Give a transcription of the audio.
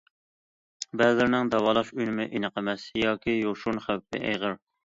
بەزىلىرىنىڭ داۋالاش ئۈنۈمى ئېنىق ئەمەس ياكى يوشۇرۇن خەۋپى ئېغىر.